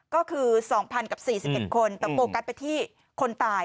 ก็คือ๒๐๐กับ๔๑คนแต่โฟกัสไปที่คนตาย